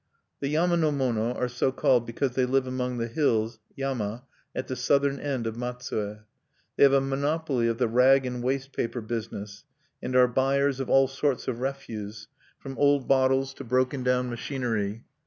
"The yama no mono are so called because they live among the hills (yama) at the southern end of Matsue. They have a monopoly of the rag and waste paper business, and are buyers of all sorts of refuse, from old bottles to broken down machinery.